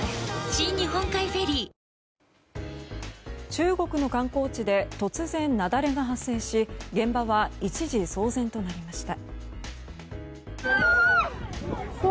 中国の観光地で突然、雪崩が発生し現場は一時騒然となりました。